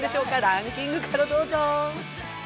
ランキングからどうぞ。